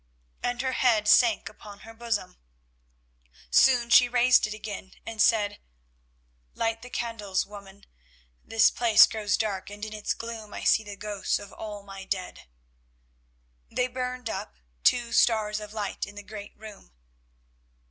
and her head sank upon her bosom. Soon she raised it again and said, "Light the candles, woman, this place grows dark, and in its gloom I see the ghosts of all my dead." They burned up—two stars of light in the great room.